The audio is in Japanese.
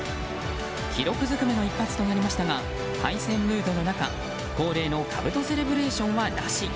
記録ずくめの一発となりましたが敗戦ムードの中、恒例のかぶとセレブレーションはなし。